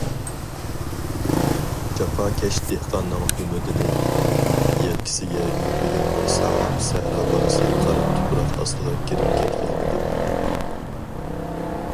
جاپاكەش دېھقاننىڭ ئۈمىدىنى يەلكىسىگە يۈكلىگەن بىر ساغلام سەھرا بالىسى قارا تۇپراق ئاستىغا كىرىپ كەتكەنىدى.